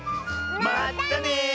まったね！